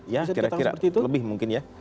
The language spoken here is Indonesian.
ya kira kira lebih mungkin ya